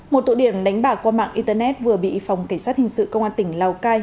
một tụ điểm đánh bạc qua mạng internet vừa bị phòng cảnh sát hình sự công an tỉnh lào cai